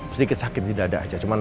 sedikit sakit di dada aja cuman